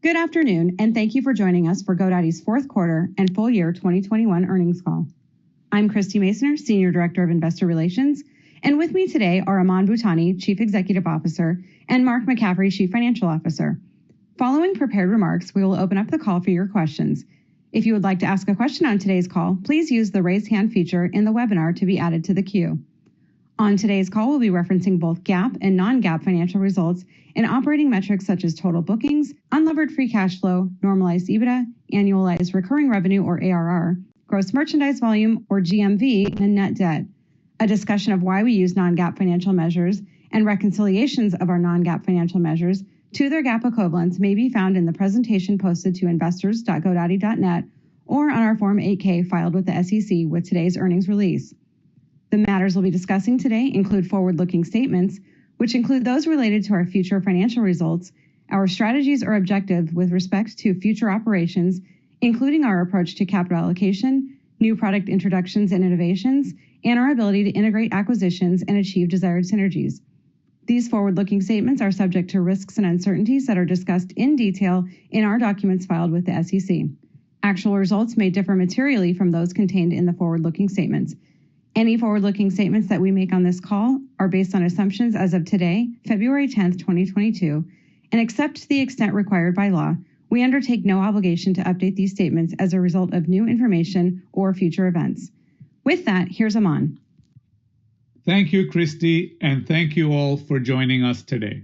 Good afternoon, and thank you for joining us for GoDaddy's Q4 and Full Year 2021 Earnings Call. I'm Christie Masoner, Senior Director of Investor Relations, and with me today are Aman Bhutani, Chief Executive Officer, and Mark McCaffrey, Chief Financial Officer. Following prepared remarks, we will open up the call for your questions. If you would like to ask a question on today's call, please use the Raise Hand feature in the webinar to be added to the queue. On today's call, we'll be referencing both GAAP and non-GAAP financial results and operating metrics such as total bookings, unlevered free cash flow, normalized EBITDA, annualized recurring revenue or ARR, gross merchandise volume or GMV, and net debt. A discussion of why we use non-GAAP financial measures and reconciliations of our non-GAAP financial measures to their GAAP equivalents may be found in the presentation posted to investors.godaddy.net or on our Form 8-K filed with the SEC with today's earnings release. The matters we'll be discussing today include forward-looking statements, which include those related to our future financial results, our strategies or objective with respect to future operations, including our approach to capital allocation, new product introductions and innovations, and our ability to integrate acquisitions and achieve desired synergies. These forward-looking statements are subject to risks and uncertainties that are discussed in detail in our documents filed with the SEC. Actual results may differ materially from those contained in the forward-looking statements. Any forward-looking statements that we make on this call are based on assumptions as of today, February 10, 2022, and except to the extent required by law, we undertake no obligation to update these statements as a result of new information or future events. With that, here's Aman. Thank you, Christie, and thank you all for joining us today.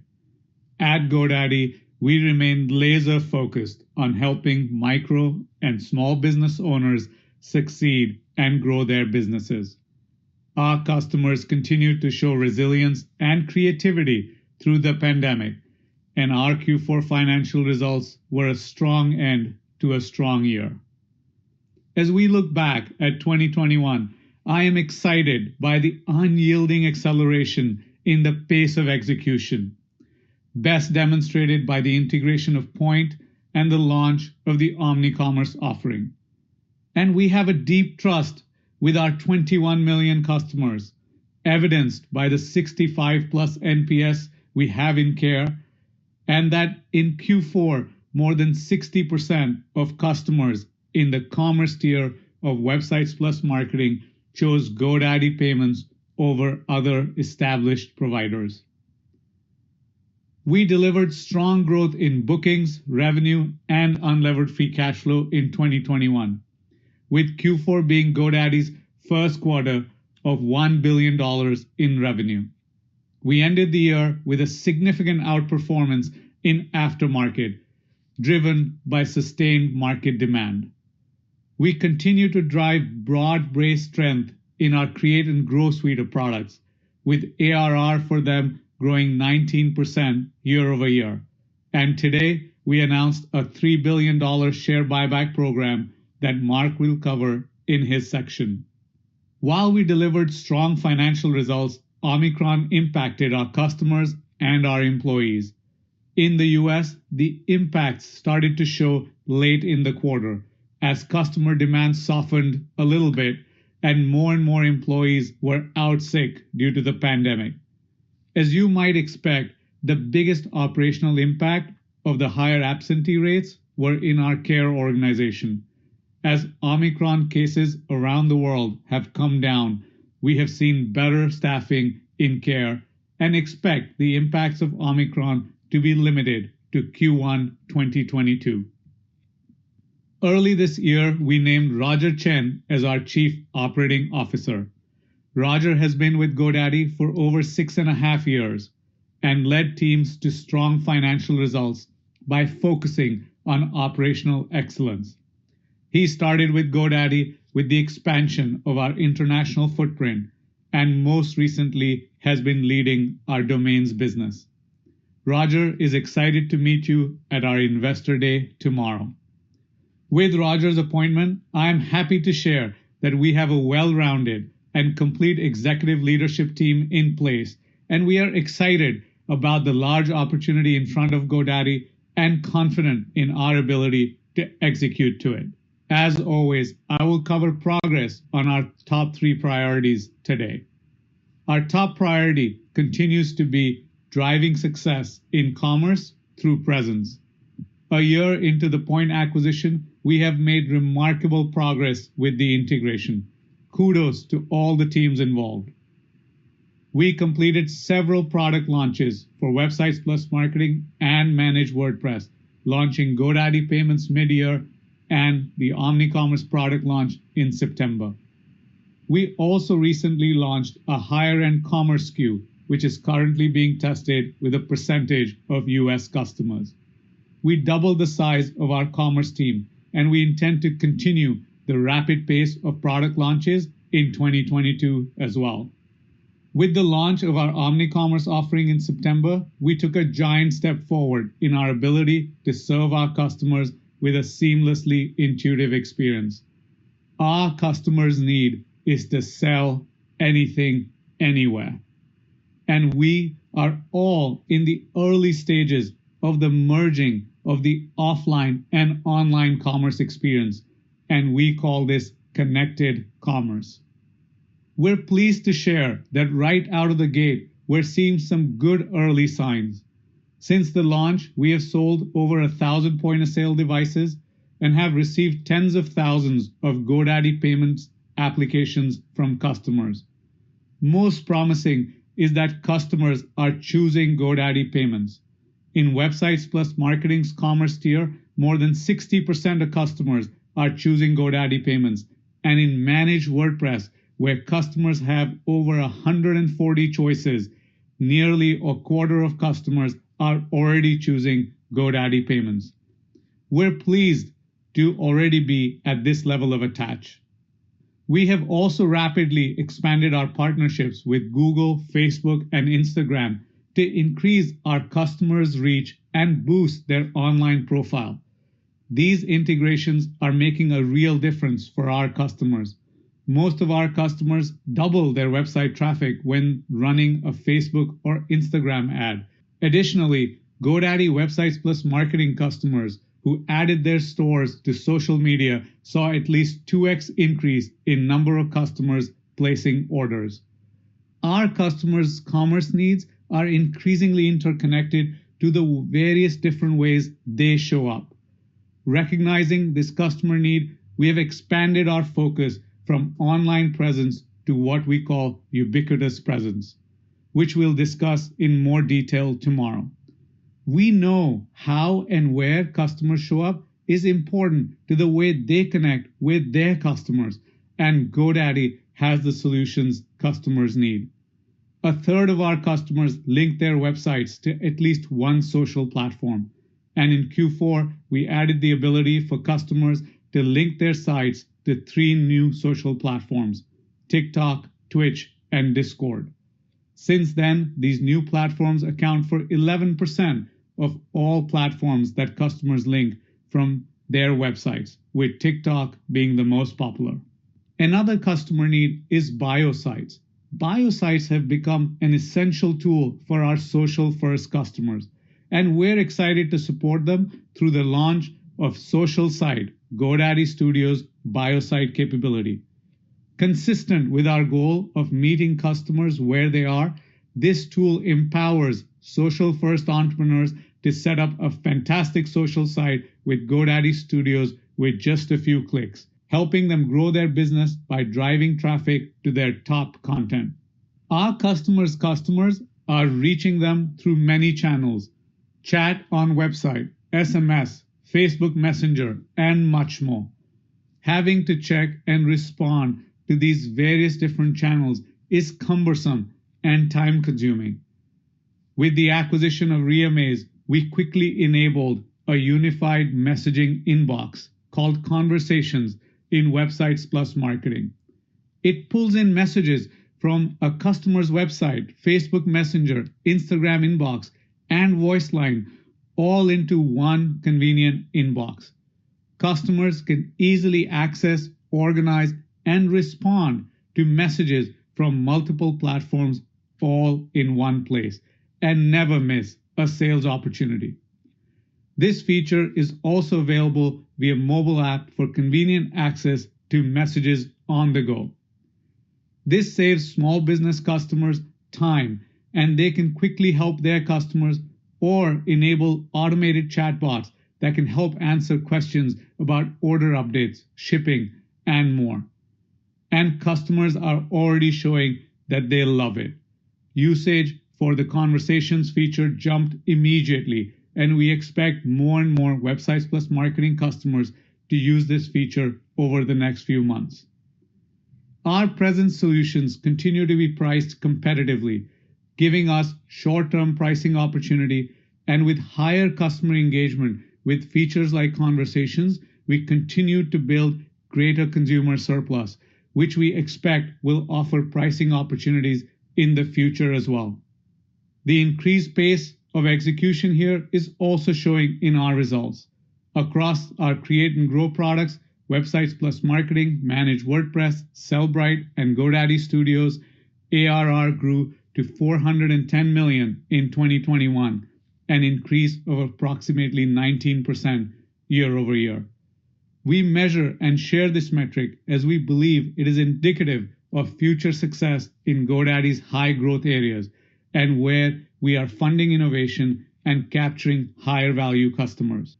At GoDaddy, we remained laser-focused on helping micro and small business owners succeed and grow their businesses. Our customers continued to show resilience and creativity through the pandemic, and our Q4 financial results were a strong end to a strong year. As we look back at 2021, I am excited by the unyielding acceleration in the pace of execution, best demonstrated by the integration of Poynt and the launch of the omnicommerce offering. We have a deep trust with our 21 million customers, evidenced by the 65+ NPS we have in care, and that in Q4, more than 60% of customers in the commerce tier of Websites + Marketing chose GoDaddy Payments over other established providers. We delivered strong growth in bookings, revenue, and unlevered free cash flow in 2021, with Q4 being GoDaddy's first quarter of $1 billion in revenue. We ended the year with a significant outperformance in aftermarket, driven by sustained market demand. We continue to drive broad-based strength in our create and grow suite of products, with ARR for them growing 19% year-over-year. Today, we announced a $3 billion share buyback program that Mark will cover in his section. While we delivered strong financial results, Omicron impacted our customers and our employees. In the U.S., the impacts started to show late in the quarter as customer demand softened a little bit and more and more employees were out sick due to the pandemic. As you might expect, the biggest operational impact of the higher absentee rates were in our care organization. As Omicron cases around the world have come down, we have seen better staffing and care and expect the impacts of Omicron to be limited to Q1 2022. Early this year, we named Roger Chen as our Chief Operating Officer. Roger has been with GoDaddy for over 6.5 years and led teams to strong financial results by focusing on operational excellence. He started with GoDaddy with the expansion of our international footprint, and most recently has been leading our domains business. Roger is excited to meet you at our Investor Day tomorrow. With Roger's appointment, I am happy to share that we have a well-rounded and complete executive leadership team in place, and we are excited about the large opportunity in front of GoDaddy and confident in our ability to execute to it. As always, I will cover progress on our top three priorities today. Our top priority continues to be driving success in commerce through presence. A year into the Poynt acquisition, we have made remarkable progress with the integration. Kudos to all the teams involved. We completed several product launches for Websites + Marketing and Managed WordPress, launching GoDaddy Payments mid-year and the omnicommerce product launch in September. We also recently launched a higher-end commerce SKU, which is currently being tested with a percentage of U.S. customers. We doubled the size of our commerce team, and we intend to continue the rapid pace of product launches in 2022 as well. With the launch of our omnicommerce offering in September, we took a giant step forward in our ability to serve our customers with a seamlessly intuitive experience. Our customers' need is to sell anything, anywhere, and we are all in the early stages of the merging of the offline and online commerce experience, and we call this connected commerce. We're pleased to share that right out of the gate, we're seeing some good early signs. Since the launch, we have sold over 1,000 point-of-sale devices and have received tens of thousands of GoDaddy Payments applications from customers. Most promising is that customers are choosing GoDaddy Payments. In Websites + Marketing's commerce tier, more than 60% of customers are choosing GoDaddy Payments. In Managed WordPress, where customers have over 140 choices, nearly a quarter of customers are already choosing GoDaddy Payments. We're pleased to already be at this level of attach. We have also rapidly expanded our partnerships with Google, Facebook, and Instagram to increase our customers' reach and boost their online profile. These integrations are making a real difference for our customers. Most of our customers double their website traffic when running a Facebook or Instagram ad. Additionally, GoDaddy Websites + Marketing customers who added their stores to social media saw at least 2x increase in number of customers placing orders. Our customers' commerce needs are increasingly interconnected to the various different ways they show up. Recognizing this customer need, we have expanded our focus from online presence to what we call ubiquitous presence, which we'll discuss in more detail tomorrow. We know how and where customers show up is important to the way they connect with their customers, and GoDaddy has the solutions customers need. A third of our customers link their websites to at least one social platform. In Q4, we added the ability for customers to link their sites to three new social platforms, TikTok, Twitch, and Discord. Since then, these new platforms account for 11% of all platforms that customers link from their websites, with TikTok being the most popular. Another customer need is bio sites. Bio sites have become an essential tool for our social-first customers, and we're excited to support them through the launch of Social Site, GoDaddy Studio's bio site capability. Consistent with our goal of meeting customers where they are, this tool empowers social-first entrepreneurs to set up a fantastic social site with GoDaddy Studios with just a few clicks, helping them grow their business by driving traffic to their top content. Our customers' customers are reaching them through many channels, chat on website, SMS, Facebook Messenger, and much more. Having to check and respond to these various different channels is cumbersome and time-consuming. With the acquisition of Re:amaze, we quickly enabled a unified messaging inbox called Conversations in Websites + Marketing. It pulls in messages from a customer's website, Facebook Messenger, Instagram inbox, and voice line all into one convenient inbox. Customers can easily access, organize, and respond to messages from multiple platforms all in one place and never miss a sales opportunity. This feature is also available via mobile app for convenient access to messages on the go. This saves small business customers time, and they can quickly help their customers or enable automated chatbots that can help answer questions about order updates, shipping, and more. Customers are already showing that they love it. Usage for the Conversations feature jumped immediately, and we expect more and more Websites + Marketing customers to use this feature over the next few months. Our presence solutions continue to be priced competitively, giving us short-term pricing opportunity, and with higher customer engagement. With features like Conversations, we continue to build greater consumer surplus, which we expect will offer pricing opportunities in the future as well. The increased pace of execution here is also showing in our results. Across our Create and Grow products, Websites + Marketing, Managed WordPress, Sellbrite, and GoDaddy Studios, ARR grew to $410 million in 2021, an increase of approximately 19% year-over-year. We measure and share this metric as we believe it is indicative of future success in GoDaddy's high-growth areas and where we are funding innovation and capturing higher-value customers.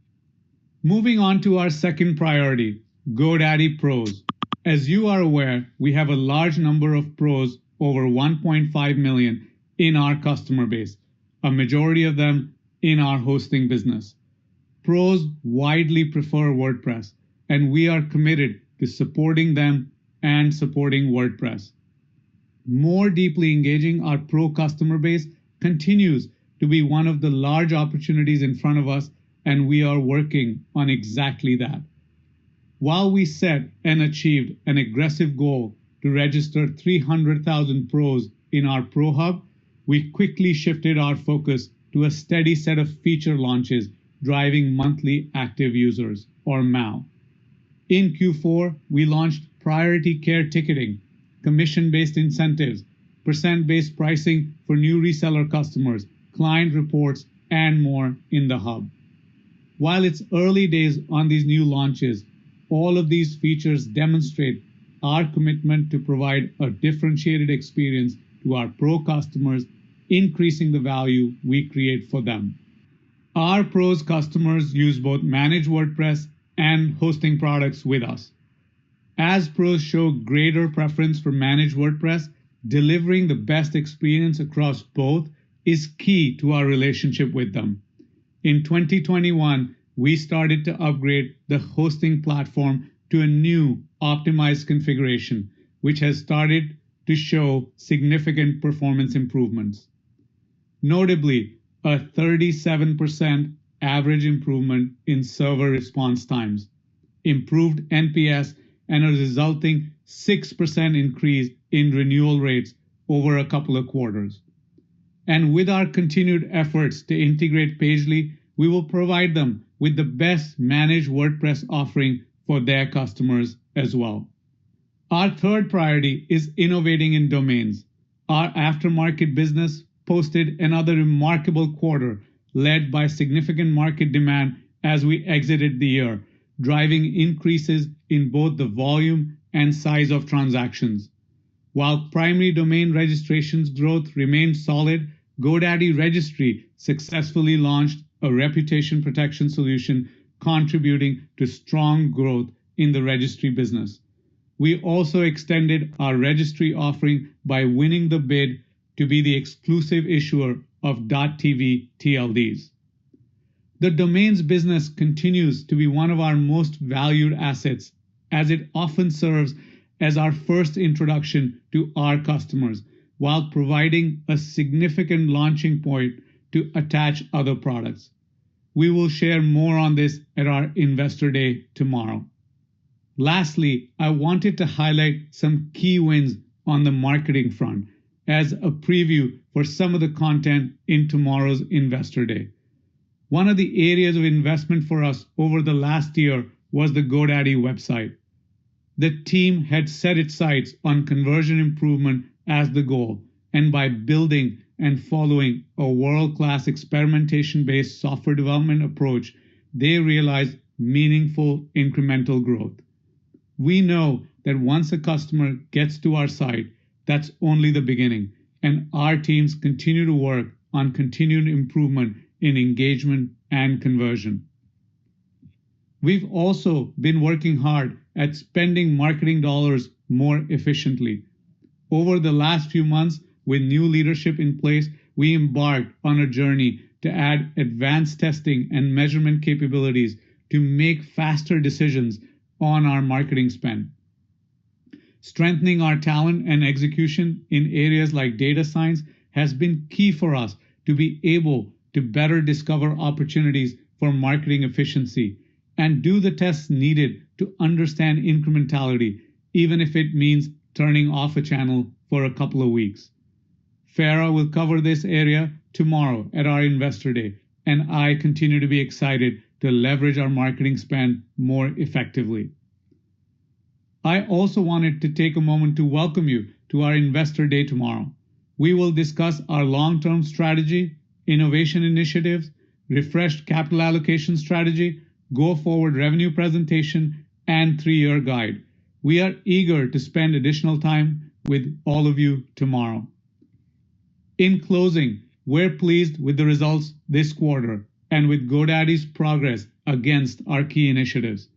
Moving on to our second priority, GoDaddy Pros. As you are aware, we have a large number of Pros, over 1.5 million, in our customer base, a majority of them in our hosting business. Pros widely prefer WordPress, and we are committed to supporting them and supporting WordPress. More deeply engaging our Pro customer base continues to be one of the large opportunities in front of us, and we are working on exactly that. While we set and achieved an aggressive goal to register 300,000 Pros in our Pro Hub, we quickly shifted our focus to a steady set of feature launches driving monthly active users, or MAU. In Q4, we launched priority care ticketing, commission-based incentives, percent-based pricing for new reseller customers, client reports, and more in the Hub. While it's early days on these new launches, all of these features demonstrate our commitment to provide a differentiated experience to our Pro customers, increasing the value we create for them. Our Pros customers use both Managed WordPress and hosting products with us. As Pros show greater preference for Managed WordPress, delivering the best experience across both is key to our relationship with them. In 2021, we started to upgrade the hosting platform to a new optimized configuration, which has started to show significant performance improvements. Notably, a 37% average improvement in server response times, improved NPS, and a resulting 6% increase in renewal rates over a couple of quarters. With our continued efforts to integrate Pagely, we will provide them with the best Managed WordPress offering for their customers as well. Our third priority is innovating in domains. Our aftermarket business posted another remarkable quarter, led by significant market demand as we exited the year, driving increases in both the volume and size of transactions. While primary domain registrations growth remained solid, GoDaddy Registry successfully launched a reputation protection solution contributing to strong growth in the registry business. We also extended our registry offering by winning the bid to be the exclusive issuer of .tv TLDs. The domains business continues to be one of our most valued assets, as it often serves as our first introduction to our customers while providing a significant launching point to attach other products. We will share more on this at our Investor Day tomorrow. Lastly, I wanted to highlight some key wins on the marketing front as a preview for some of the content in tomorrow's Investor Day. One of the areas of investment for us over the last year was the GoDaddy website. The team had set its sights on conversion improvement as the goal, and by building and following a world-class experimentation-based software development approach, they realized meaningful incremental growth. We know that once a customer gets to our site, that's only the beginning, and our teams continue to work on continued improvement in engagement and conversion. We've also been working hard at spending marketing dollars more efficiently. Over the last few months, with new leadership in place, we embarked on a journey to add advanced testing and measurement capabilities to make faster decisions on our marketing spend. Strengthening our talent and execution in areas like data science has been key for us to be able to better discover opportunities for marketing efficiency and do the tests needed to understand incrementality, even if it means turning off a channel for a couple of weeks. Fara will cover this area tomorrow at our Investor Day, and I continue to be excited to leverage our marketing spend more effectively. I also wanted to take a moment to welcome you to our Investor Day tomorrow. We will discuss our long-term strategy, innovation initiatives, refreshed capital allocation strategy, go-forward revenue presentation, and three-year guide. We are eager to spend additional time with all of you tomorrow. In closing, we're pleased with the results this quarter and with GoDaddy's progress against our key initiatives.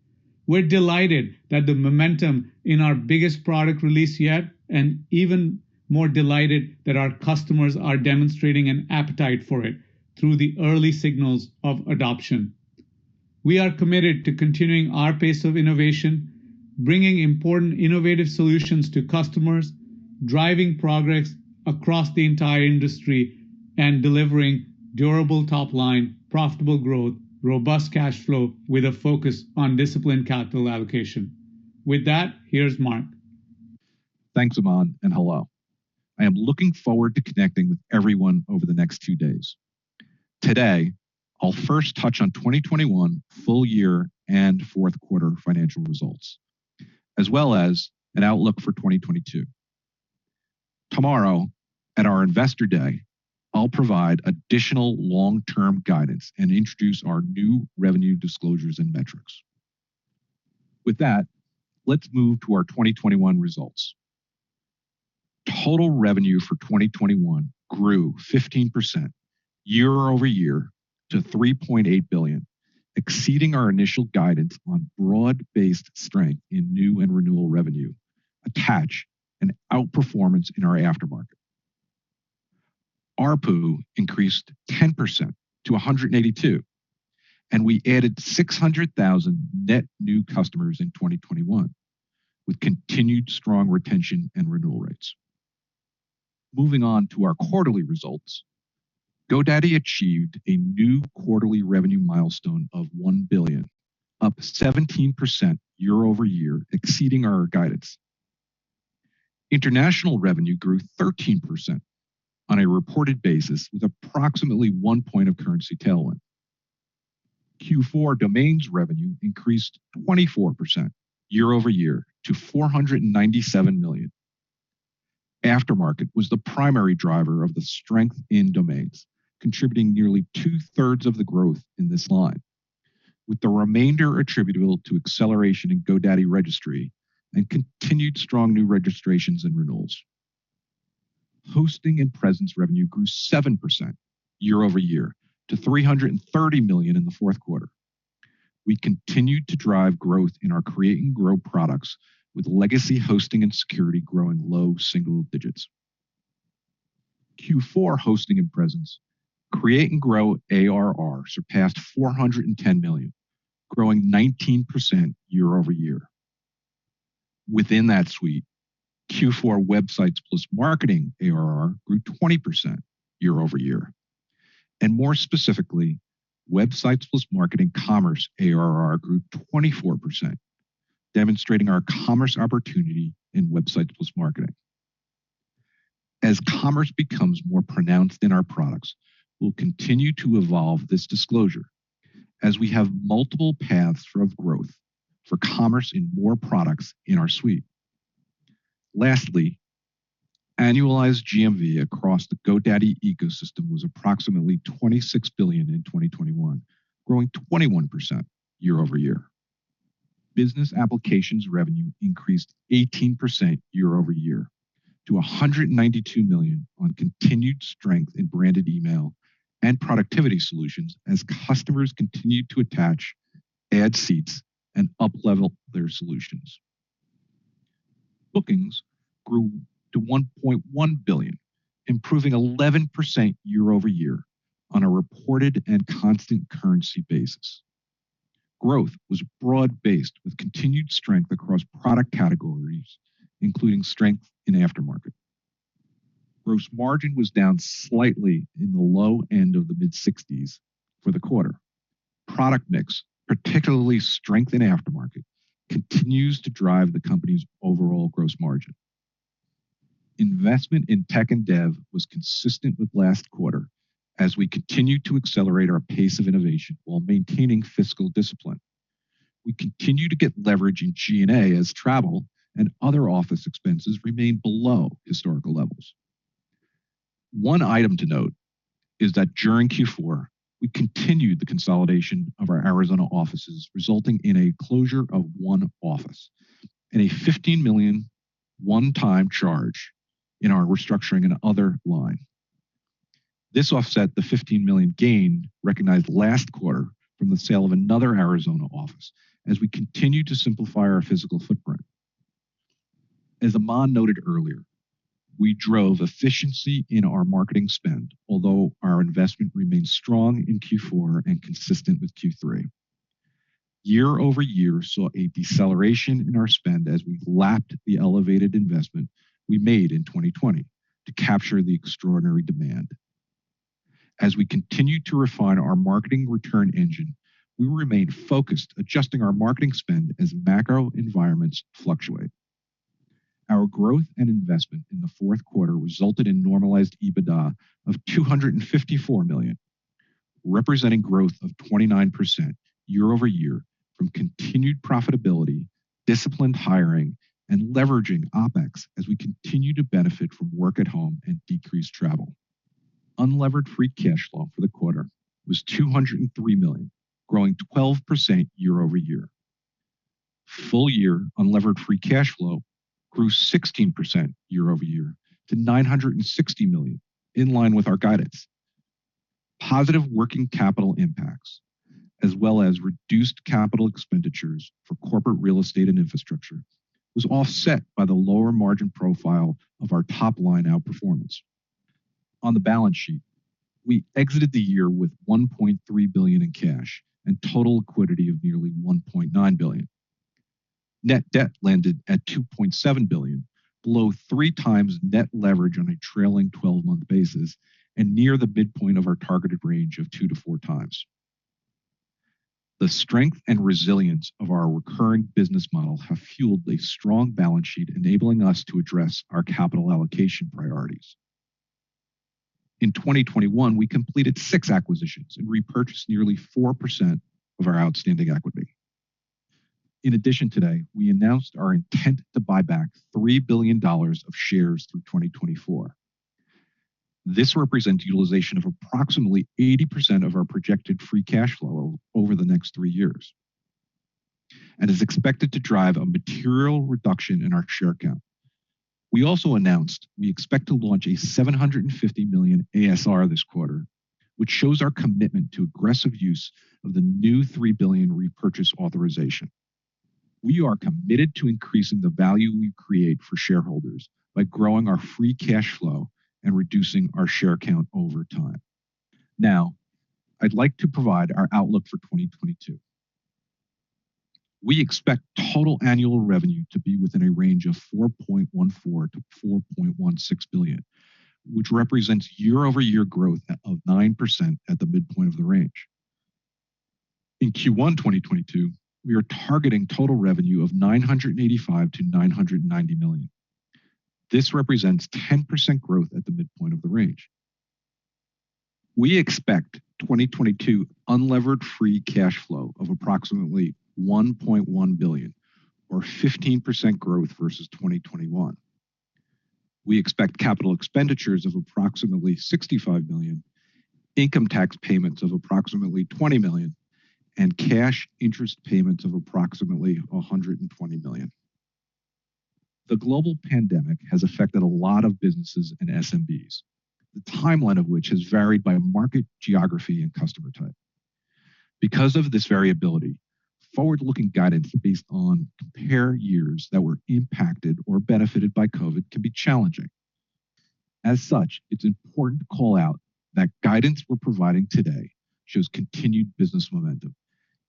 We're delighted that the momentum in our biggest product release yet, and even more delighted that our customers are demonstrating an appetite for it through the early signals of adoption. We are committed to continuing our pace of innovation, bringing important innovative solutions to customers, driving progress across the entire industry, and delivering durable top line, profitable growth, robust cash flow with a focus on disciplined capital allocation. With that, here's Mark. Thanks, Aman, and hello. I am looking forward to connecting with everyone over the next few days. Today, I'll first touch on 2021 full year and Q4 financial results, as well as an outlook for 2022. Tomorrow, at our Investor Day, I'll provide additional long-term guidance and introduce our new revenue disclosures and metrics. With that, let's move to our 2021 results. Total revenue for 2021 grew 15% year-over-year to $3.8 billion, exceeding our initial guidance on broad-based strength in new and renewal revenue, attach, and outperformance in our aftermarket. ARPU increased 10% to $182, and we added 600,000 net new customers in 2021, with continued strong retention and renewal rates. Moving on to our quarterly results, GoDaddy achieved a new quarterly revenue milestone of $1 billion, up 17% year-over-year, exceeding our guidance. International revenue grew 13% on a reported basis, with approximately one point of currency tailwind. Q4 domains revenue increased 24% year-over-year to $497 million. Aftermarket was the primary driver of the strength in domains, contributing nearly two-thirds of the growth in this line, with the remainder attributable to acceleration in GoDaddy Registry and continued strong new registrations and renewals. Hosting and presence revenue grew 7% year-over-year to $330 million in Q4. We continued to drive growth in our create and grow products, with legacy hosting and security growing low single digits. Q4 hosting and presence create and grow ARR surpassed $410 million, growing 19% year-over-year. Within that suite, Q4 Websites + Marketing ARR grew 20% year-over-year. More specifically, Websites + Marketing commerce ARR grew 24%, demonstrating our commerce opportunity in Websites + Marketing. As commerce becomes more pronounced in our products, we'll continue to evolve this disclosure as we have multiple paths of growth for commerce in more products in our suite. Lastly, annualized GMV across the GoDaddy ecosystem was approximately $26 billion in 2021, growing 21% year-over-year. Business Applications revenue increased 18% year-over-year to $192 million on continued strength in branded email and productivity solutions as customers continued to add seats and uplevel their solutions. Bookings grew to $1.1 billion, improving 11% year-over-year on a reported and constant currency basis. Growth was broad-based with continued strength across product categories, including strength in aftermarket. Gross margin was down slightly in the low end of the mid-60s for the quarter. Product mix, particularly strength in aftermarket, continues to drive the company's overall gross margin. Investment in tech and dev was consistent with last quarter as we continued to accelerate our pace of innovation while maintaining fiscal discipline. We continue to get leverage in G&A as travel and other office expenses remain below historical levels. One item to note is that during Q4, we continued the consolidation of our Arizona offices, resulting in a closure of one office and a $15 million one-time charge in our restructuring and other line. This offset the $15 million gain recognized last quarter from the sale of another Arizona office as we continue to simplify our physical footprint. As Aman noted earlier, we drove efficiency in our marketing spend, although our investment remained strong in Q4 and consistent with Q3. Year-over-year saw a deceleration in our spend as we lapped the elevated investment we made in 2020 to capture the extraordinary demand. As we continue to refine our marketing return engine, we remain focused adjusting our marketing spend as macro environments fluctuate. Our growth and investment in the fourth quarter resulted in normalized EBITDA of $254 million, representing growth of 29% year-over-year from continued profitability, disciplined hiring, and leveraging OpEx as we continue to benefit from work at home and decreased travel. Unlevered free cash flow for the quarter was $203 million, growing 12% year-over-year. Full year unlevered free cash flow grew 16% year-over-year to $960 million in line with our guidance. Positive working capital impacts, as well as reduced capital expenditures for corporate real estate and infrastructure, was offset by the lower margin profile of our top-line outperformance. On the balance sheet, we exited the year with $1.3 billion in cash and total liquidity of nearly 1.9 billion. Net debt landed at $2.7 billion, below 3x net leverage on a trailing 12-month basis and near the midpoint of our targeted range of 2x-4x. The strength and resilience of our recurring business model have fueled a strong balance sheet enabling us to address our capital allocation priorities. In 2021, we completed six acquisitions and repurchased nearly 4% of our outstanding equity. In addition today, we announced our intent to buy back $3 billion of shares through 2024. This represents utilization of approximately 80% of our projected free cash flow over the next three years and is expected to drive a material reduction in our share count. We also announced we expect to launch a $750 million ASR this quarter, which shows our commitment to aggressive use of the new $3 billion repurchase authorization. We are committed to increasing the value we create for shareholders by growing our free cash flow and reducing our share count over time. Now, I'd like to provide our outlook for 2022. We expect total annual revenue to be within a range of $4.14-4.16 billion, which represents year-over-year growth of 9% at the midpoint of the range. In Q1 2022, we are targeting total revenue of $985-990 million. This represents 10% growth at the midpoint of the range. We expect 2022 unlevered free cash flow of approximately $1.1 billion or 15% growth versus 2021. We expect capital expenditures of approximately $65 million, income tax payments of approximately $20 million, and cash interest payments of approximately 120 million. The global pandemic has affected a lot of businesses and SMBs, the timeline of which has varied by market, geography, and customer type. Because of this variability, forward-looking guidance based on compare years that were impacted or benefited by COVID can be challenging. It's important to call out that guidance we're providing today shows continued business momentum,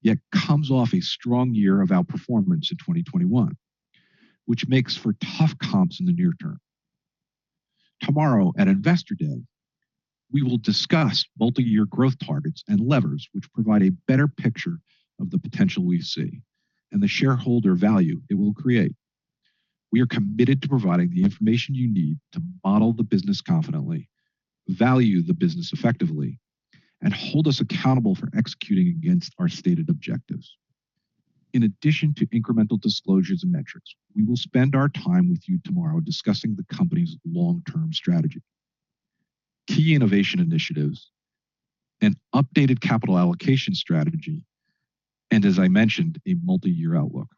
yet comes off a strong year of outperformance in 2021, which makes for tough comps in the near term. Tomorrow at Investor Day, we will discuss multi-year growth targets and levers which provide a better picture of the potential we see and the shareholder value it will create. We are committed to providing the information you need to model the business confidently, value the business effectively, and hold us accountable for executing against our stated objectives. In addition to incremental disclosures and metrics, we will spend our time with you tomorrow discussing the company's long-term strategy, key innovation initiatives, an updated capital allocation strategy, and as I mentioned, a multi-year outlook.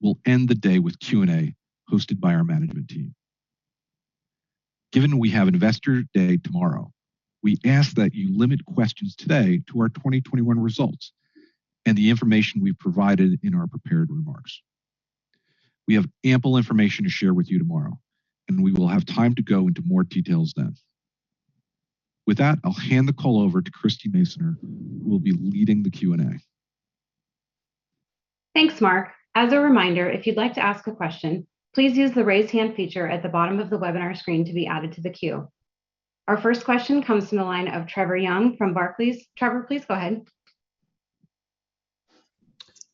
We'll end the day with Q&A hosted by our management team. Given we have Investor Day tomorrow, we ask that you limit questions today to our 2021 results and the information we've provided in our prepared remarks. We have ample information to share with you tomorrow, and we will have time to go into more details then. With that, I'll hand the call over to Christie Masoner, who will be leading the Q&A. Thanks, Mark. As a reminder, if you'd like to ask a question, please use the Raise Hand feature at the bottom of the webinar screen to be added to the queue. Our first question comes from the line of Trevor Young from Barclays. Trevor, please go ahead.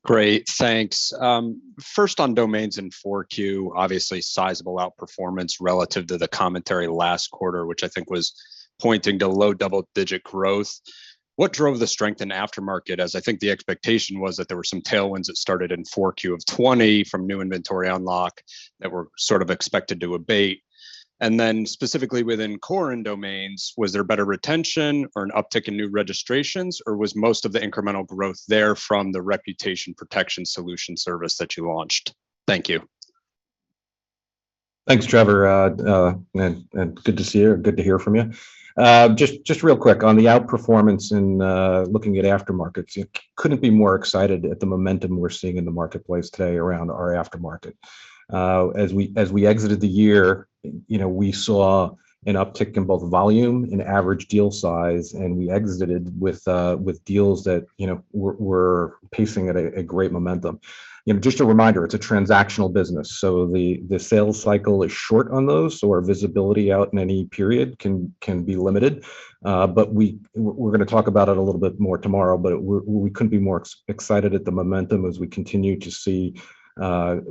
Great, thanks. First on domains in Q4, obviously sizable outperformance relative to the commentary last quarter, which I think was pointing to low double-digit growth. What drove the strength in aftermarket, as I think the expectation was that there were some tailwinds that started in Q4 of 2020 from new inventory unlock that were sort of expected to abate. Specifically within core and domains, was there better retention or an uptick in new registrations, or was most of the incremental growth there from the reputation protection solution service that you launched? Thank you. Thanks, Trevor. And good to see you. Good to hear from you. Just real quick, on the outperformance and looking at aftermarkets, couldn't be more excited at the momentum we're seeing in the marketplace today around our aftermarket. As we exited the year, you know, we saw an uptick in both volume and average deal size, and we exited with deals that, you know, were pacing at a great momentum. Just a reminder, it's a transactional business, so the sales cycle is short on those, so our visibility out in any period can be limited. But we're gonna talk about it a little bit more tomorrow, but we couldn't be more excited at the momentum as we continue to see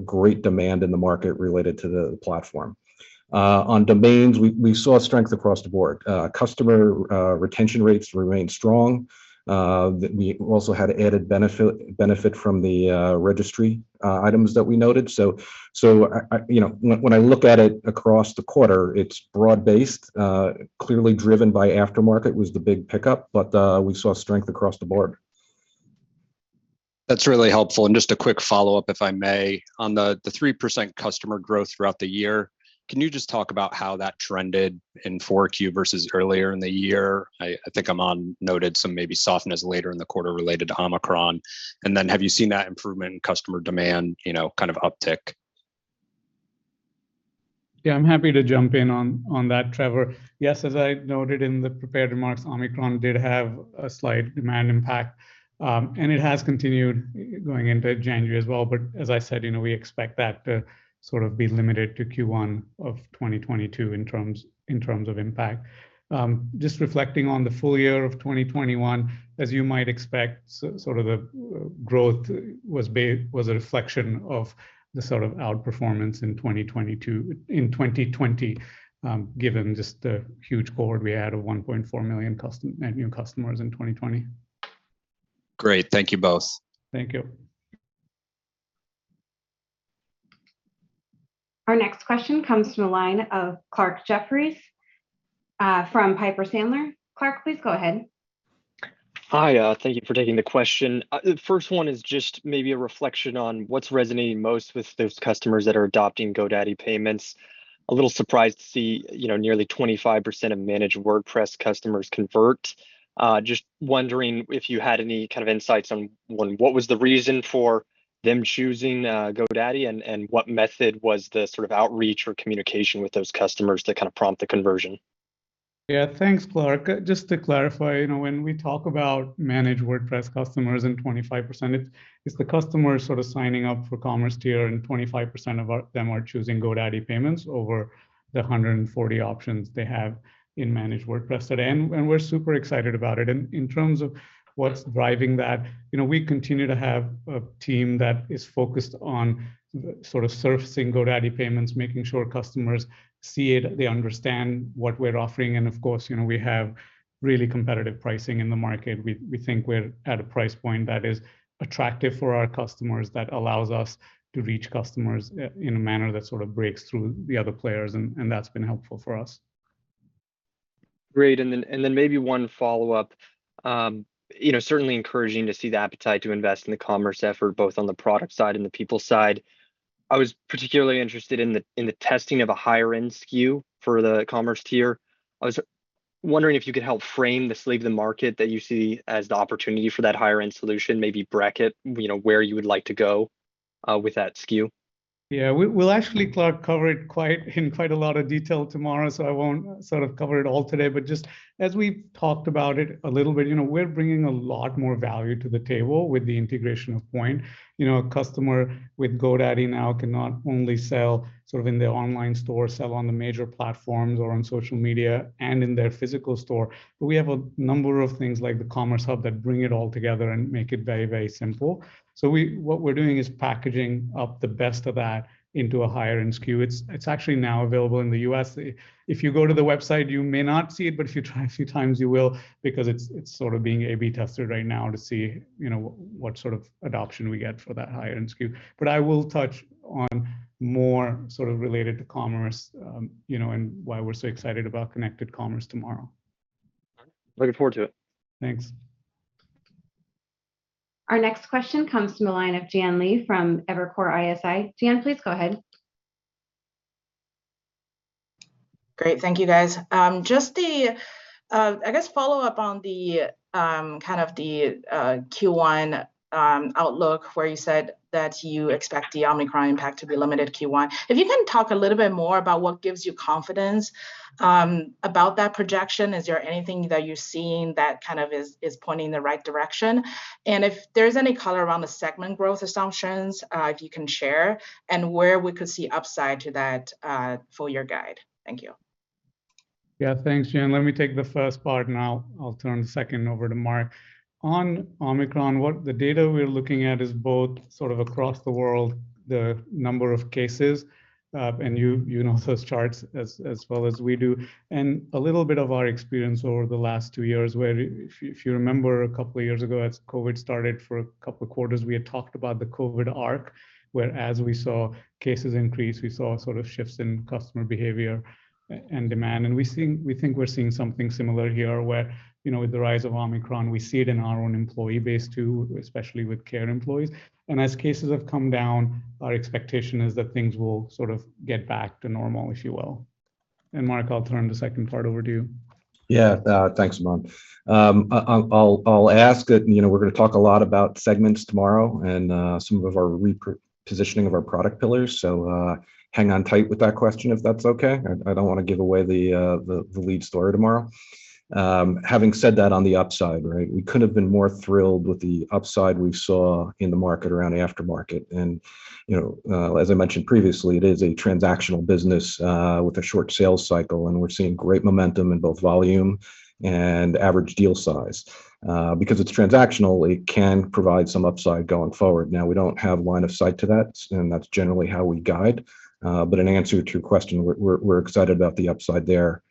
great demand in the market related to the platform. On domains, we saw strength across the board. Customer retention rates remained strong. We also had added benefit from the registry items that we noted. So I... You know, when I look at it across the quarter, it's broad-based. Clearly driven by aftermarket was the big pickup, but we saw strength across the board. That's really helpful, and just a quick follow-up, if I may. On the 3% customer growth throughout the year, can you just talk about how that trended in Q4 versus earlier in the year? I think Aman noted some maybe softness later in the quarter related to Omicron. Then have you seen that improvement in customer demand, you know, kind of uptick? Yeah, I'm happy to jump in on that, Trevor. Yes, as I noted in the prepared remarks, Omicron did have a slight demand impact, and it has continued going into January as well. As I said, you know, we expect that to sort of be limited to Q1 of 2022 in terms of impact. Just reflecting on the full year of 2021, as you might expect, sort of the growth was a reflection of the sort of outperformance in 2020, given just the huge cohort we had of 1.4 million new customers in 2020. Great. Thank you both. Thank you. Our next question comes from the line of Clarke Jeffries from Piper Sandler. Clark, please go ahead. Hi. Thank you for taking the question. The first one is just maybe a reflection on what's resonating most with those customers that are adopting GoDaddy Payments. A little surprised to see, you know, nearly 25% of Managed WordPress customers convert. Just wondering if you had any kind of insights on, one, what was the reason for them choosing GoDaddy, and what method was the sort of outreach or communication with those customers to kind of prompt the conversion? Yeah. Thanks, Clarke. Just to clarify, you know, when we talk about Managed WordPress customers and 25%, it's the customers sort of signing up for commerce tier, and 25% of them are choosing GoDaddy Payments over the 140 options they have in Managed WordPress today. We're super excited about it. In terms of what's driving that, you know, we continue to have a team that is focused on sort of servicing GoDaddy Payments, making sure customers see it, they understand what we're offering, and of course, you know, we have really competitive pricing in the market. We think we're at a price point that is attractive for our customers, that allows us to reach customers in a manner that sort of breaks through the other players, and that's been helpful for us. Great. Maybe one follow-up. You know, certainly encouraging to see the appetite to invest in the commerce effort, both on the product side and the people side. I was particularly interested in the testing of a higher end SKU for the commerce tier. I was wondering if you could help frame the state of the market that you see as the opportunity for that higher end solution, maybe bracket where you would like to go with that SKU. We'll actually, Clarke, cover it in quite a lot of detail tomorrow, so I won't sort of cover it all today. Just as we've talked about it a little bit, you know, we're bringing a lot more value to the table with the integration of Poynt. You know, a customer with GoDaddy now can not only sell sort of in their online store, sell on the major platforms or on social media and in their physical store, but we have a number of things like the commerce hub that bring it all together and make it very, very simple. What we're doing is packaging up the best of that into a higher end SKU. It's actually now available in the U.S.. If you go to the website, you may not see it, but if you try a few times you will because it's sort of being A/B tested right now to see, you know, what sort of adoption we get for that higher end SKU. I will touch on more sort of related to commerce, you know, and why we're so excited about connected commerce tomorrow. Looking forward to it. Thanks. Our next question comes from the line of Jian Li from Evercore ISI. Jan, please go ahead. Great. Thank you, guys. Just the, I guess, follow-up on the, kind of the Q1 outlook where you said that you expect the Omicron impact to be limited Q1. If you can talk a little bit more about what gives you confidence about that projection? Is there anything that you're seeing that kind of is pointing in the right direction? If there's any color around the segment growth assumptions, if you can share, and where we could see upside to that full-year guide. Thank you. Yeah. Thanks, Jian. Let me take the first part and I'll turn the second over to Mark. On Omicron, what the data we're looking at is both sort of across the world, the number of cases, and you know those charts as well as we do. A little bit of our experience over the last two years where if you remember a couple of years ago as COVID started, for a couple of quarters we had talked about the COVID arc, where as we saw cases increase, we saw sort of shifts in customer behavior and demand. We think we're seeing something similar here, where you know, with the rise of Omicron, we see it in our own employee base too, especially with care employees. As cases have come down, our expectation is that things will sort of get back to normal, if you will. Mark, I'll turn the second part over to you. Yeah. Thanks, Aman. I'll ask, and you know, we're gonna talk a lot about segments tomorrow and some of our repositioning of our product pillars. Hang on tight with that question if that's okay. I don't wanna give away the lead story tomorrow. Having said that, on the upside, right? We couldn't have been more thrilled with the upside we saw in the market around aftermarket. You know, as I mentioned previously, it is a transactional business with a short sales cycle, and we're seeing great momentum in both volume and average deal size. Because it's transactional, it can provide some upside going forward. Now, we don't have one sight to that, and that's generally how we guide. In answer to your question, we're excited about the upside there.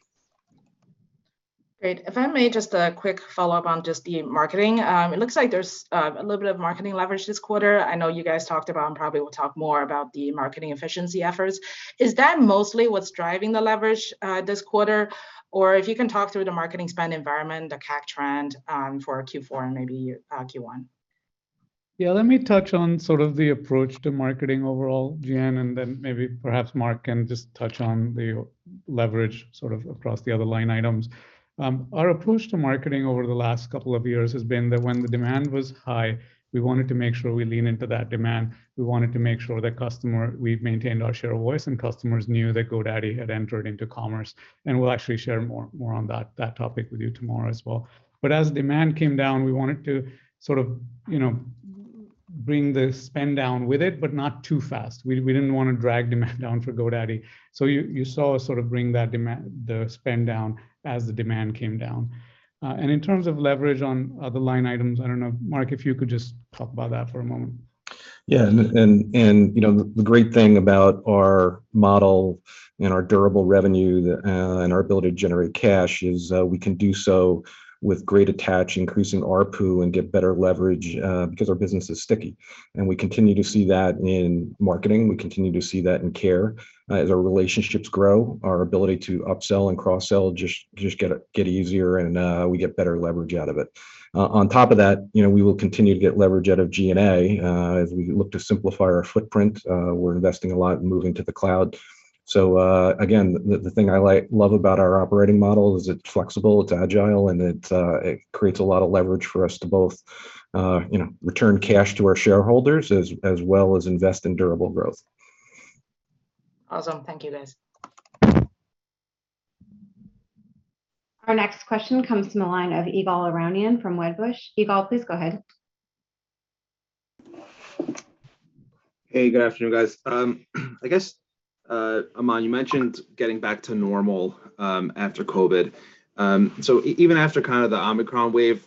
Great. If I may, just a quick follow-up on just the marketing. It looks like there's a little bit of marketing leverage this quarter. I know you guys talked about and probably will talk more about the marketing efficiency efforts. Is that mostly what's driving the leverage this quarter? Or if you can talk through the marketing spend environment, the CAC trend for Q4 and maybe Q1. Yeah, let me touch on sort of the approach to marketing overall, Jian, and then maybe perhaps Mark can just touch on the leverage sort of across the other line items. Our approach to marketing over the last couple of years has been that when the demand was high, we wanted to make sure we lean into that demand. We wanted to make sure that customers, we've maintained our share of voice and customers knew that GoDaddy had entered into commerce, and we'll actually share more on that topic with you tomorrow as well. But as demand came down, we wanted to sort of, you know, bring the spend down with it, but not too fast. We didn't wanna drag demand down for GoDaddy. So you saw us sort of bring the spend down as the demand came down. In terms of leverage on the line items, I don't know, Mark, if you could just talk about that for a moment. Yeah, you know, the great thing about our model and our durable revenue and our ability to generate cash is we can do so with great attach, increasing ARPU, and get better leverage because our business is sticky. We continue to see that in marketing. We continue to see that in care. As our relationships grow, our ability to upsell and cross-sell just gets easier and we get better leverage out of it. On top of that, you know, we will continue to get leverage out of G&A as we look to simplify our footprint. We're investing a lot in moving to the cloud. Again, the thing I like, love about our operating model is it's flexible, it's agile, and it creates a lot of leverage for us to both, you know, return cash to our shareholders as well as invest in durable growth. Awesome. Thank you, guys. Our next question comes from the line of Ygal Arounian from Wedbush. Ygal, please go ahead. Hey, good afternoon, guys. I guess, Aman, you mentioned getting back to normal after COVID. Even after kind of the Omicron wave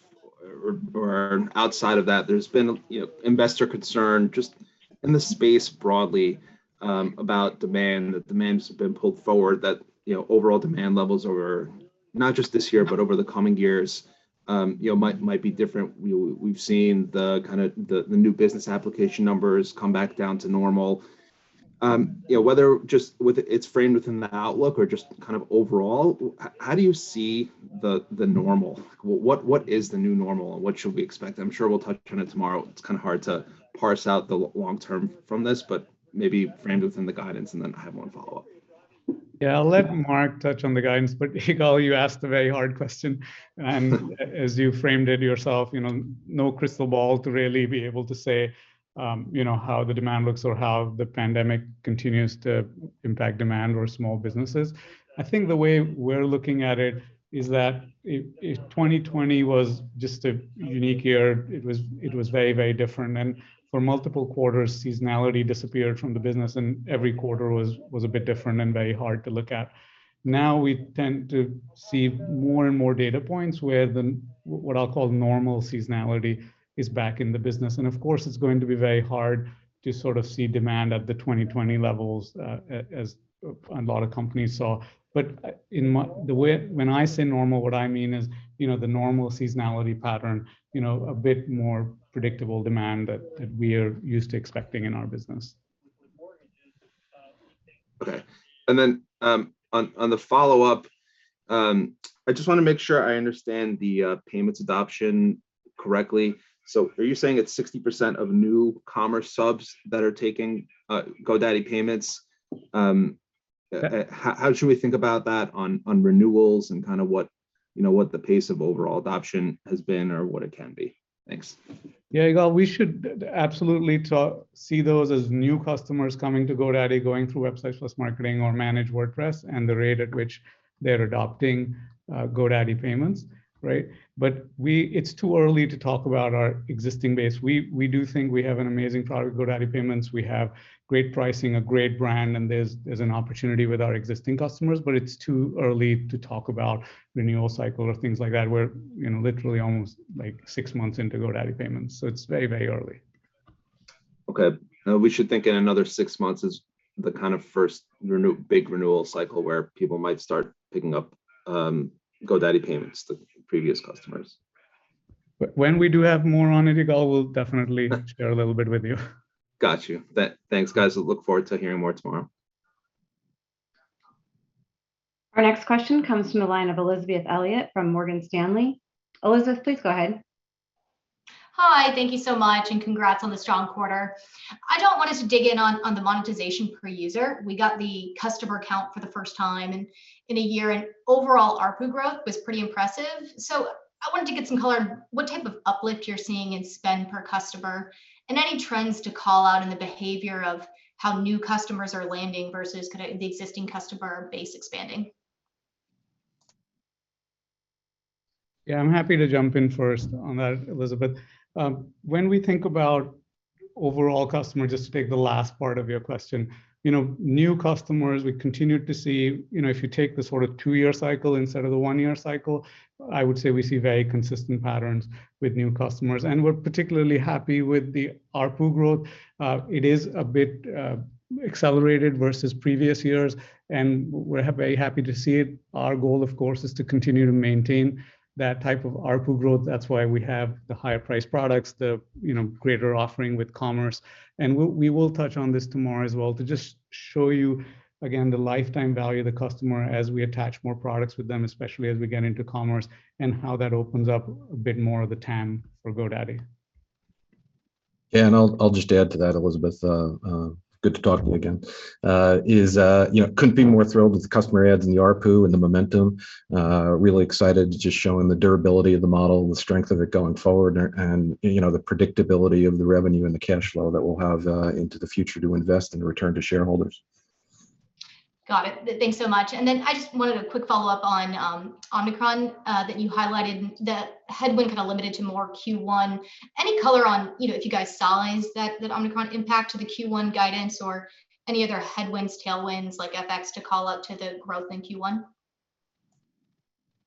or outside of that, there's been, you know, investor concern just in the space broadly about demand, that demand has been pulled forward, that, you know, overall demand levels over not just this year but over the coming years, you know, might be different. We've seen the new business application numbers come back down to normal. You know, whether it's framed within the outlook or just kind of overall, how do you see the normal? What is the new normal, and what should we expect? I'm sure we'll touch on it tomorrow. It's kind of hard to parse out the long-term from this, but maybe framed within the guidance, and then I have one follow-up. Yeah, I'll let Mark touch on the guidance, but Ygal, you asked a very hard question. As you framed it yourself, you know, no crystal ball to really be able to say, you know, how the demand looks or how the pandemic continues to impact demand or small businesses. I think the way we're looking at it is that if 2020 was just a unique year, it was very, very different. For multiple quarters, seasonality disappeared from the business, and every quarter was a bit different and very hard to look at. Now we tend to see more and more data points where what I'll call normal seasonality is back in the business. Of course, it's going to be very hard to sort of see demand at the 2020 levels, as a lot of companies saw. When I say normal, what I mean is, you know, the normal seasonality pattern, you know, a bit more predictable demand that we are used to expecting in our business. Okay. On the follow-up, I just wanna make sure I understand the payments adoption correctly. Are you saying it's 60% of new commerce subs that are taking GoDaddy Payments? How should we think about that on renewals and kind of what, you know, what the pace of overall adoption has been or what it can be? Thanks. Yeah, Ygal, we should absolutely talk, see those as new customers coming to GoDaddy, going through Websites + Marketing or Managed WordPress and the rate at which they're adopting GoDaddy Payments, right? But it's too early to talk about our existing base. We do think we have an amazing product with GoDaddy Payments. We have great pricing, a great brand, and there's an opportunity with our existing customers, but it's too early to talk about renewal cycle or things like that. We're, you know, literally almost, like, six months into GoDaddy Payments, so it's very, very early. We should think in another six months is the kind of first big renewal cycle where people might start picking up GoDaddy Payments, the previous customers. When we do have more on it, Ygal, we'll definitely share a little bit with you. Got you. Thanks, guys. We'll look forward to hearing more tomorrow. Our next question comes from the line of Elizabeth Elliott from Morgan Stanley. Elizabeth, please go ahead. Hi. Thank you so much, and congrats on the strong quarter. I don't want us to dig in on the monetization per user. We got the customer count for the first time in a year, and overall ARPU growth was pretty impressive. I wanted to get some color on what type of uplift you're seeing in spend per customer and any trends to call out in the behavior of how new customers are landing versus kind of the existing customer base expanding. Yeah, I'm happy to jump in first on that, Elizabeth. When we think about overall customer, just to take the last part of your question, you know, new customers, we continue to see, you know, if you take the sort of two-year cycle instead of the one-year cycle, I would say we see very consistent patterns with new customers. We're particularly happy with the ARPU growth. It is a bit accelerated versus previous years, and we're very happy to see it. Our goal, of course, is to continue to maintain that type of ARPU growth. That's why we have the higher priced products, the, you know, greater offering with commerce. We will touch on this tomorrow as well to just show you again the lifetime value of the customer as we attach more products with them, especially as we get into commerce and how that opens up a bit more of the TAM for GoDaddy. Yeah, I'll just add to that, Elizabeth, good to talk to you again. You know, couldn't be more thrilled with the customer adds and the ARPU and the momentum. Really excited just showing the durability of the model and the strength of it going forward and, you know, the predictability of the revenue and the cash flow that we'll have into the future to invest and return to shareholders. Got it. Thanks so much. I just wanted a quick follow-up on Omicron that you highlighted the headwind kind of limited to more Q1. Any color on, you know, if you guys sized that Omicron impact to the Q1 guidance or any other headwinds, tailwinds like FX to call out to the growth in Q1?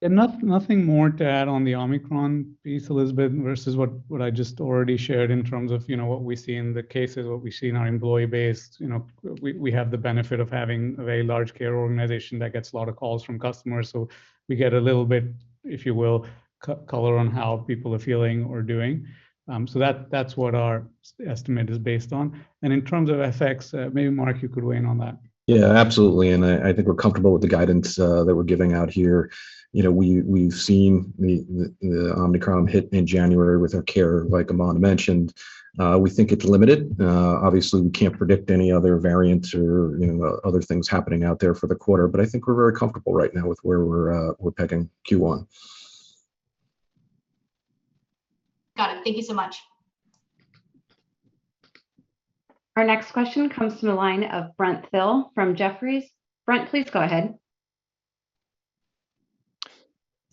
Yeah, nothing more to add on the Omicron piece, Elizabeth, versus what I just already shared in terms of, you know, what we see in the cases, what we see in our employee base. You know, we have the benefit of having a very large care organization that gets a lot of calls from customers, so we get a little bit, if you will, color on how people are feeling or doing. So that's what our estimate is based on. In terms of FX, maybe Mark, you could weigh in on that. Yeah, absolutely. I think we're comfortable with the guidance that we're giving out here. You know, we've seen the Omicron hit in January with our core, like Aman mentioned. We think it's limited. Obviously, we can't predict any other variants or, you know, other things happening out there for the quarter, but I think we're very comfortable right now with where we're pegging Q1. Got it. Thank you so much. Our next question comes from the line of Brent Thill from Jefferies. Brent, please go ahead.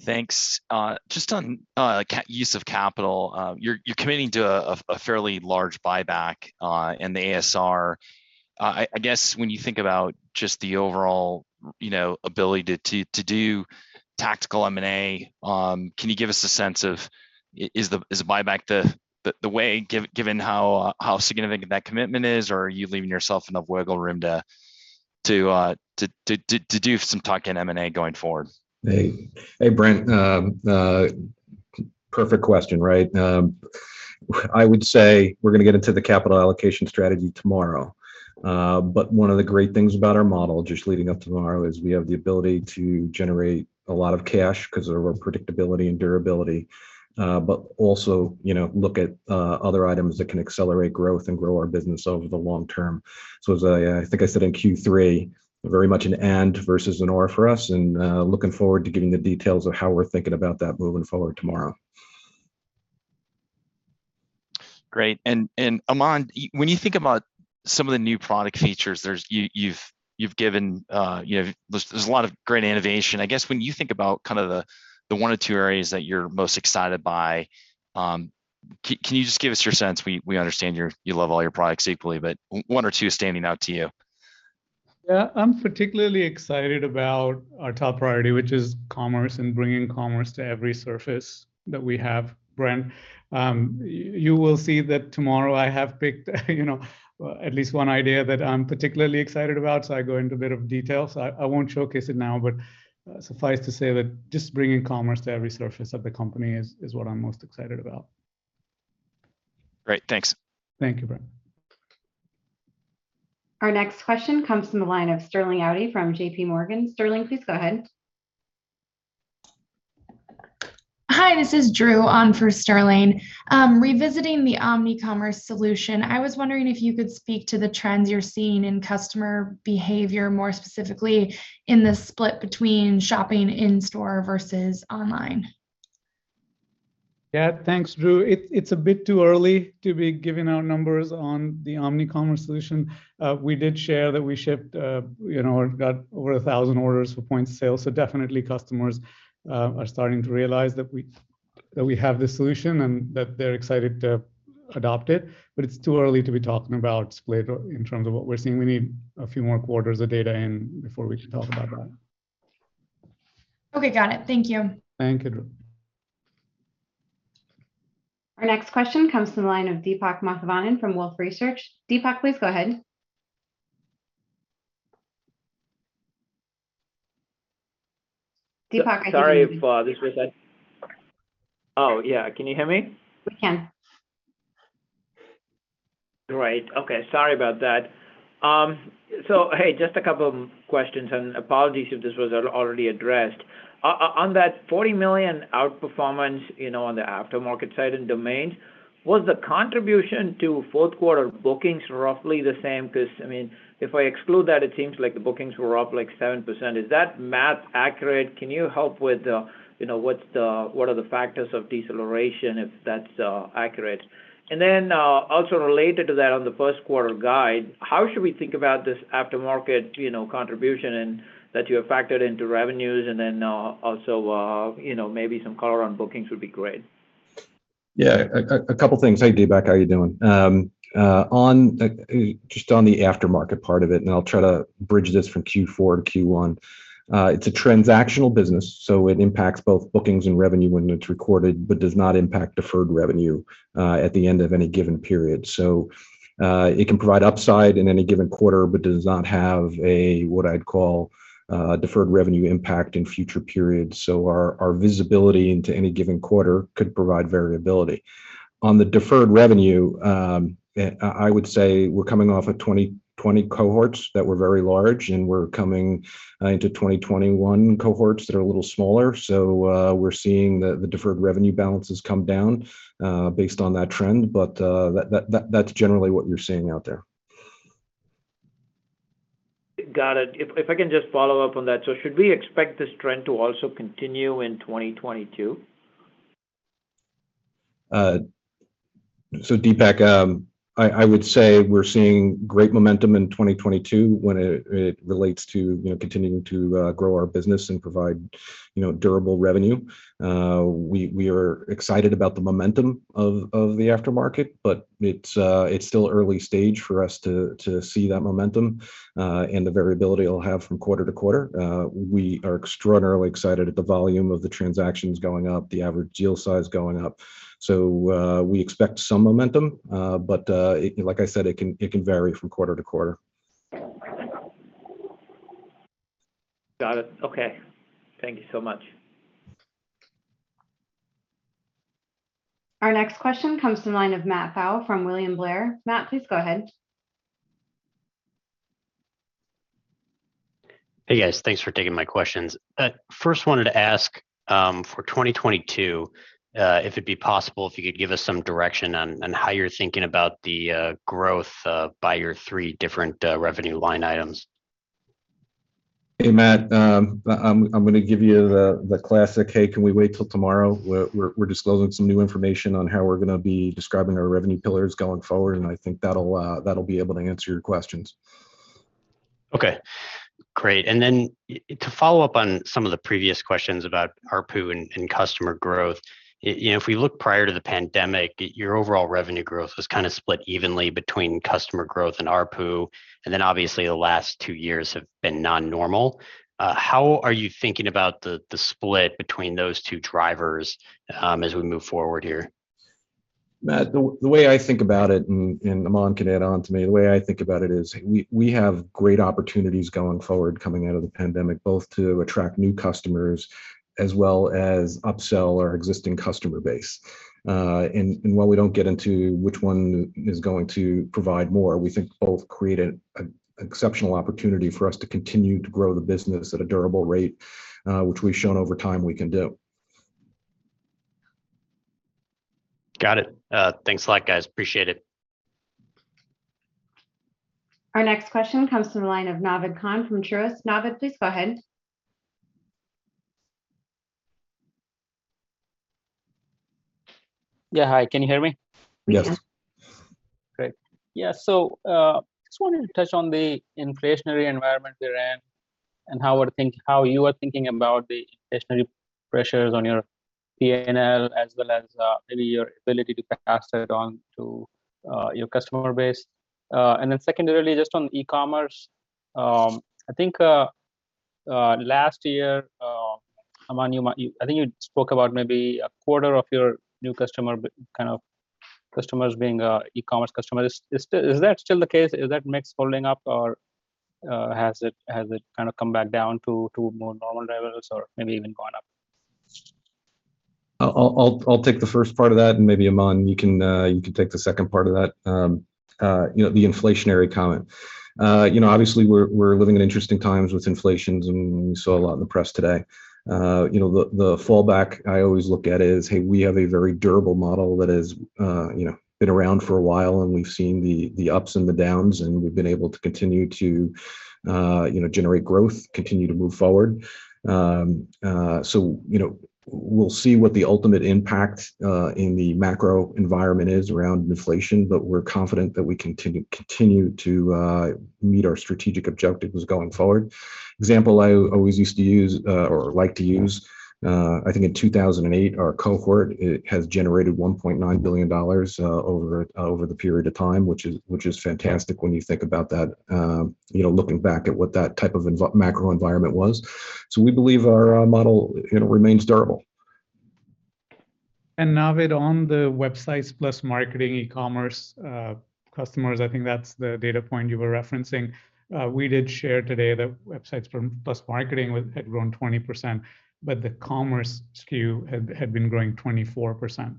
Thanks. Just on use of capital, you're committing to a fairly large buyback in the ASR. I guess when you think about just the overall, you know, ability to do tactical M&A, can you give us a sense of is the buyback the way, given how significant that commitment is, or are you leaving yourself enough wiggle room to do some talking M&A going forward. Hey, hey, Brent. Perfect question, right? I would say we're gonna get into the capital allocation strategy tomorrow. One of the great things about our model, just leading up to tomorrow, is we have the ability to generate a lot of cash 'cause of our predictability and durability, but also, you know, look at other items that can accelerate growth and grow our business over the long term. As I think I said in Q3, very much an and versus an or for us, and looking forward to giving the details of how we're thinking about that moving forward tomorrow. Great. Aman, when you think about some of the new product features, you know, there's a lot of great innovation. I guess, when you think about kind of the one to two areas that you're most excited by, can you just give us your sense? We understand you love all your products equally, but one or two standing out to you. Yeah. I'm particularly excited about our top priority, which is commerce and bringing commerce to every surface that we have, Brent. You will see that tomorrow I have picked, you know, at least one idea that I'm particularly excited about, so I go into a bit of detail. I won't showcase it now, but suffice to say that just bringing commerce to every surface of the company is what I'm most excited about. Great. Thanks. Thank you, Brent. Our next question comes from the line of Sterling Auty from J.P. Morgan. Sterling, please go ahead. Hi, this is Drew calling for Sterling. Revisiting the omnicommerce solution, I was wondering if you could speak to the trends you're seeing in customer behavior, more specifically in the split between shopping in store versus online. Yeah. Thanks, Drew. It's a bit too early to be giving out numbers on the omnicommerce solution. We did share that we shipped, you know, or got over 1,000 orders for point of sale, so definitely customers are starting to realize that we have this solution and that they're excited to adopt it. It's too early to be talking about split or in terms of what we're seeing. We need a few more quarters of data in before we can talk about that. Okay, got it. Thank you. Thank you, Drew. Our next question comes from the line of Deepak Mathivanan from Wolfe Research. Deepak, please go ahead. Deepak, I think you're- Oh, yeah, can you hear me? We can. Great. Okay. Sorry about that. So, hey, just a couple questions, and apologies if this was already addressed. On that $40 million outperformance, you know, on the aftermarket side and domains, was the contribution to Q4 bookings roughly the same? 'Cause, I mean, if I exclude that, it seems like the bookings were up like 7%. Is that math accurate? Can you help with, you know, what are the factors of deceleration, if that's accurate? And then, also related to that, on the Q1 guide, how should we think about this aftermarket, you know, contribution and that you have factored into revenues? And then, also, you know, maybe some color on bookings would be great. Yeah. A couple things. Hey, Deepak, how you doing? Just on the aftermarket part of it, and I'll try to bridge this from Q4 to Q1, it's a transactional business, so it impacts both bookings and revenue when it's recorded, but does not impact deferred revenue at the end of any given period. It can provide upside in any given quarter but does not have a, what I'd call, deferred revenue impact in future periods. Our visibility into any given quarter could provide variability. On the deferred revenue, I would say we're coming off of 2020 cohorts that were very large, and we're coming into 2021 cohorts that are a little smaller. We're seeing the deferred revenue balances come down based on that trend. That's generally what you're seeing out there. Got it. If I can just follow up on that, so should we expect this trend to also continue in 2022? Deepak, I would say we're seeing great momentum in 2022 when it relates to, you know, continuing to grow our business and provide, you know, durable revenue. We are excited about the momentum of the aftermarket, but it's still early stage for us to see that momentum and the variability it'll have from quarter to quarter. We are extraordinarily excited at the volume of the transactions going up, the average deal size going up. We expect some momentum, but it, like I said, can vary from quarter to quarter. Got it. Okay. Thank you so much. Our next question comes from the line of Matt Pfau from William Blair. Matt, please go ahead. Hey, guys. Thanks for taking my questions. First, I wanted to ask, for 2022, if it'd be possible if you could give us some direction on how you're thinking about the growth by your three different revenue line items. Hey, Matt. I'm gonna give you the classic, "Hey, can we wait till tomorrow?" We're disclosing some new information on how we're gonna be describing our revenue pillars going forward, and I think that'll be able to answer your questions. Okay, great. To follow up on some of the previous questions about ARPU and customer growth, you know, if we look prior to the pandemic, your overall revenue growth was kind of split evenly between customer growth and ARPU, and then obviously the last two years have been non-normal. How are you thinking about the split between those two drivers as we move forward here? Matt, the way I think about it, and Aman can add on to me, the way I think about it is we have great opportunities going forward coming out of the pandemic, both to attract new customers as well as upsell our existing customer base. While we don't get into which one is going to provide more, we think both create an exceptional opportunity for us to continue to grow the business at a durable rate, which we've shown over time we can do. Got it. Thanks a lot, guys. Appreciate it. Our next question comes from the line of Naved Khan from Truist. Naved, please go ahead. Yeah. Hi, can you hear me? Yes. We can. Great. Yeah, just wanted to touch on the inflationary environment we're in and how you are thinking about the inflationary pressures on your P&L as well as maybe your ability to pass that on to your customer base. Secondarily, just on e-commerce, I think last year, Aman, I think you spoke about maybe a quarter of your new customers being e-commerce customers. Is that still the case? Is that mix holding up or has it kind of come back down to more normal levels or maybe even gone up? I'll take the first part of that and maybe, Aman, you can take the second part of that. You know, the inflationary comment. You know, obviously we're living in interesting times with inflation, and we saw a lot in the press today. You know, the fallback I always look at is, hey, we have a very durable model that has, you know, been around for a while, and we've seen the ups and the downs, and we've been able to continue to, you know, generate growth, continue to move forward. So, you know, we'll see what the ultimate impact in the macro environment is around inflation, but we're confident that we continue to meet our strategic objectives going forward. Example I always used to use, or like to use, I think in 2008, our cohort has generated $1.9 billion over the period of time, which is fantastic when you think about that, you know, looking back at what that type of macro environment was. We believe our model, you know, remains durable. Naved, on the Websites + Marketing e-commerce customers, I think that's the data point you were referencing. We did share today that Websites + Marketing had grown 20%, but the commerce SKU had been growing 24%.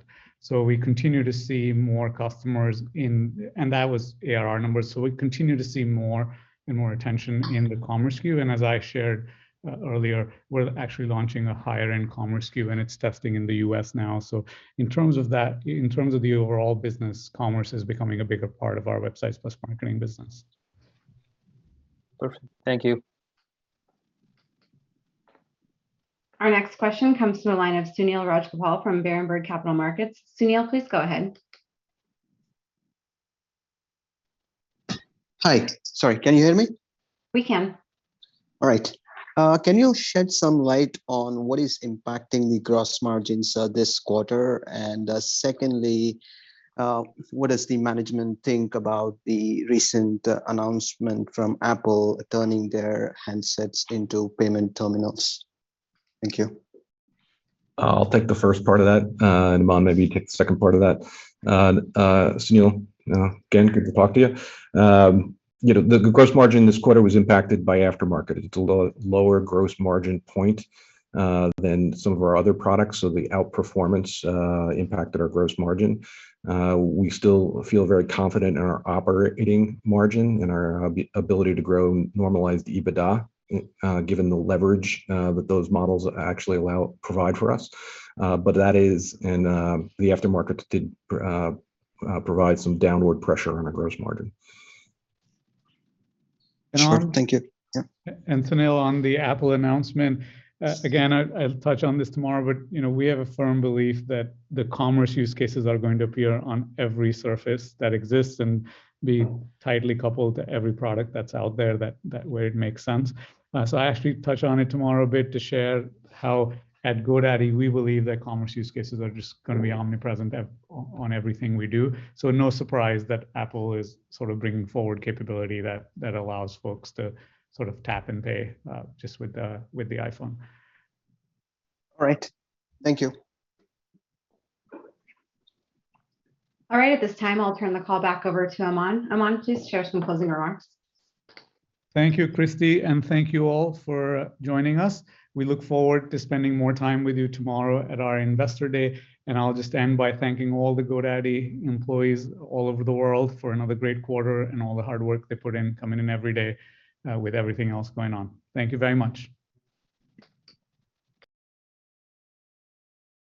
We continue to see more customers. That was ARR numbers. We continue to see more and more attention in the commerce SKU. As I shared earlier, we're actually launching a higher-end commerce SKU, and it's testing in the U.S. now. In terms of that, in terms of the overall business, commerce is becoming a bigger part of our Websites + Marketing business. Perfect. Thank you. Our next question comes from the line of Sunil Rajagopal from Berenberg Capital Markets. Sunil, please go ahead. Hi. Sorry, can you hear me? We can. All right. Can you shed some light on what is impacting the gross margins this quarter? Secondly, what does the management think about the recent announcement from Apple turning their handsets into payment terminals? Thank you. I'll take the first part of that, and Aman, maybe you take the second part of that. Sunil, again, good to talk to you. You know, the gross margin this quarter was impacted by aftermarket. It's a lower gross margin point than some of our other products, so the outperformance impacted our gross margin. We still feel very confident in our operating margin and our ability to grow normalized EBITDA, given the leverage that those models actually provide for us. But the aftermarket did provide some downward pressure on our gross margin. Sure. Thank you. Aman. Yeah. Sunil, on the Apple announcement, again, I'll touch on this tomorrow, but, you know, we have a firm belief that the commerce use cases are going to appear on every surface that exists and be tightly coupled to every product that's out there that way it makes sense. I actually touch on it tomorrow a bit to share how at GoDaddy, we believe that commerce use cases are just gonna be omnipresent on everything we do. No surprise that Apple is sort of bringing forward capability that allows folks to sort of tap and pay just with the iPhone. All right. Thank you. All right. At this time, I'll turn the call back over to Aman. Aman, please share some closing remarks. Thank you, Christie, and thank you all for joining us. We look forward to spending more time with you tomorrow at our Investor Day. I'll just end by thanking all the GoDaddy employees all over the world for another great quarter and all the hard work they put in coming in every day, with everything else going on. Thank you very much.